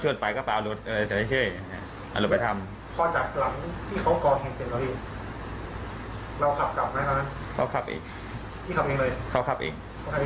กลับแล้วก็ไปข้อข้อขับเองพี่ขับเองเลยเขาคับเอง